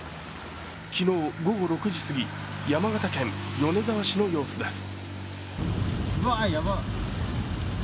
昨日午後６時すぎ、山形県米沢市の様子です。